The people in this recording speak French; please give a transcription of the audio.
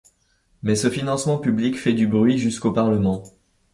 Mais ce financement public fait du bruit jusqu'au parlement.